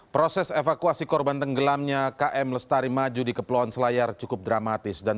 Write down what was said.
proses evakuasi korban tenggelamnya km lestari maju di kepulauan selayar cukup dramatis dan